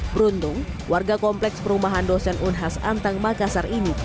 beruntung warga kompleks perumahan dosen unhas antang makassar ini